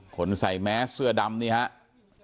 คนใส่แมสเสื้อดำนี่ครับ